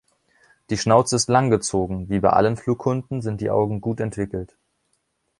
Die Schnauze ist langgezogen, wie bei allen Flughunden sind die Augen gut entwickelt.